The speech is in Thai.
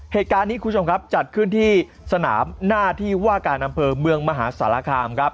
เหตุการณ์นี้คุณผู้ชมจัดขึ้นที่สนามหน้าที่ว่าการอำเภอเมืองมหาสรรคาม